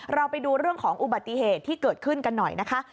เราไปดูเรื่องของอุบัติเหตุที่เกิดขึ้นกันหน่อยนะคะ